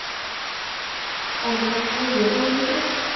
Còn chọn ai với ai nữa